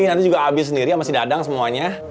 nanti juga habis sendiri sama si dadang semuanya